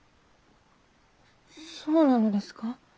そうなのですか？